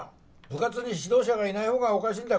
部活に指導者がいないほうがおかしいんだ。